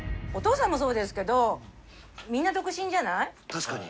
確かに。